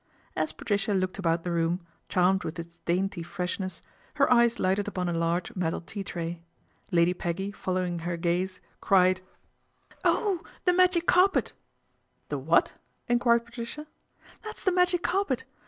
As Patricia looked about the room, charmed viih its dainty freshness, her eyes lighted upon . large metal tea tray. Ladv ^eggv following her ;aze cried : 258 PATRICIA BRENT, SPINSTER " Oh, the magic carpet !"" The what ?" enquired Patricia. " That's the magic carpet.